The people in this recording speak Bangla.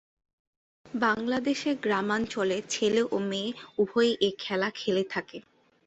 বাংলাদেশের গ্রামাঞ্চলে ছেলে ও মেয়ে উভয়ই এ খেলা খেলে থাকে।